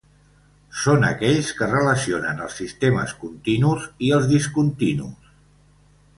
Són aquells que relacionen els sistemes continus i els discontinus.